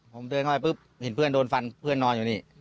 ผมเดินเข้าไปปุ๊บเห็นเพื่อนโดนฟันเพื่อนนอนอยู่นี่